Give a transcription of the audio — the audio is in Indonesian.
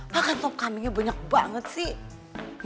makan sop kambingnya banyak banget sih